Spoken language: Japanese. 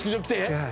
はい。